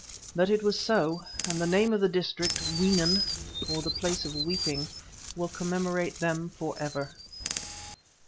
But it was so, and the name of the district, Weenen, or the Place of Weeping, will commemorate them for ever.